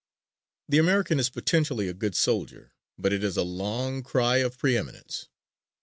The American is potentially a good soldier, but it is a long cry of preëminence.